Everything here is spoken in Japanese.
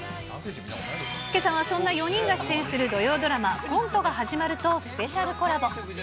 けさはそんな４人が出演する土曜ドラマ、コントが始まるとスペシャルコラボ。